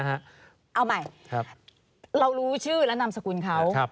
เอาใหม่เรารู้ชื่อและนามสกุลเขา